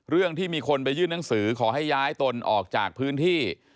ที่มีคนไปยื่นหนังสือขอให้ย้ายตนออกจากพื้นที่